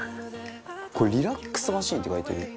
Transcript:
これリラックスマシンって書いてるよ。